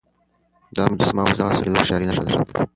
دا مجسمه اوس د هغه سړي د هوښيارۍ نښه ده.